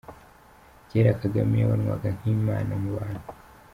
Cyera Kagame yabonwaga nk’imana mu bantu.